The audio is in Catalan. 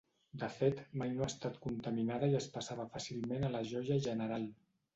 De fet, mai no ha estat contaminada i es passava fàcilment a la joia general.